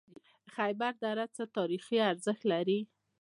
د خیبر دره څه تاریخي ارزښت لري؟